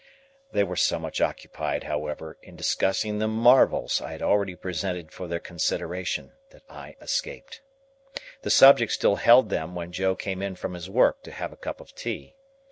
They were so much occupied, however, in discussing the marvels I had already presented for their consideration, that I escaped. The subject still held them when Joe came in from his work to have a cup of tea.